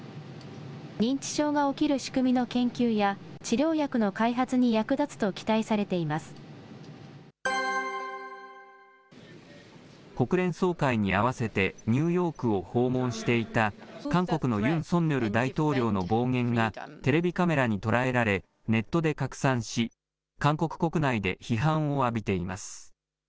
認知症が起きる仕組みの研究や、治療薬の開発に役立つと期待され国連総会に合わせて、ニューヨークを訪問していた韓国のユン・ソンニョル大統領の暴言がテレビカメラに捉えられ、ネットで拡散し、韓国国内で批判を浴びています。